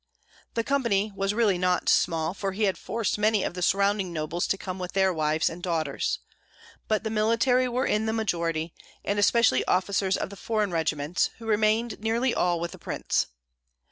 The company was really not small, for he had forced many of the surrounding nobles to come with their wives and daughters. But the military were in the majority, and especially officers of the foreign regiments, who remained nearly all with the prince.